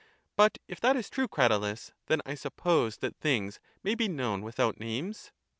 But if that is true, Cratylus, then I suppose that things may be known without names?